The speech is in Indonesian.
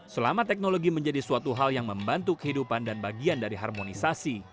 selama teknologi menjadi suatu hal yang membantu kehidupan dan bagian dari harmonisasi